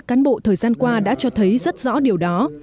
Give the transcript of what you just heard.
công tác cán bộ thời gian qua đã cho thấy rất rõ điều đó